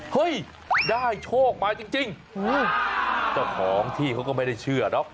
เฮ้ยได้โชคมาจริงเจ้าของที่เขาก็ไม่ได้เชื่อเนอะ